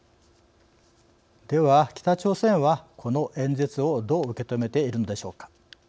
では、北朝鮮は、この演説をどう受け止めているのでしょうか。